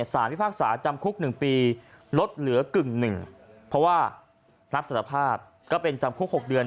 พิพากษาจำคุก๑ปีลดเหลือกึ่งหนึ่งเพราะว่ารับสารภาพก็เป็นจำคุก๖เดือน